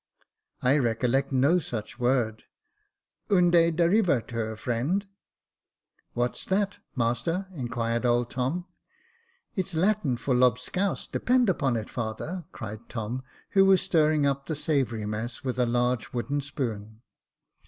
" I recollect no such word — unde derivatur, friend ?"" What's that, master ?" inquired old Tom. " It's Latin for lobscouse, depend upon it, father," cried Tom, who was stirring up the savoury mess with a large wooden spoon.